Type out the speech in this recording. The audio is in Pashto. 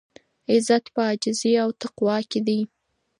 عزت په عاجزۍ او تقوا کې دی.